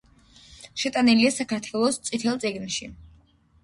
შეტანილია საქართველოს „წითელ წიგნში“.